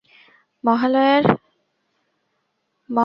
মহালয়ার অনুষ্ঠান শেষে বাড়ি ফেরার পথে এ দুর্ঘটনা ঘটে।